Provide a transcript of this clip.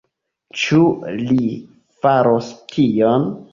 Ĉu li faros tion?